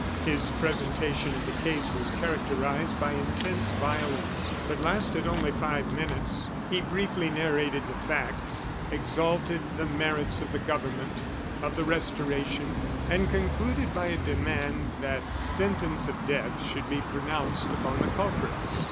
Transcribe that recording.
His presentation of the case was characterized by intense violence, but lasted only five minutes. He briefly narrated the facts, exalted the merits of the government, of the Restoration, and concluded by a demand that sentence of death should be pronounced upon the culprits.